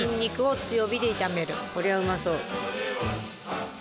こりゃうまそう。